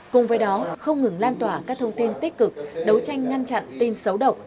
cùng với đó không ngừng lan tỏa các thông tin tích cực đấu tranh ngăn chặn tin xấu độc